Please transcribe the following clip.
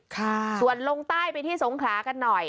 ค่ะส่วนลงใต้ไปที่สงขลากันหน่อย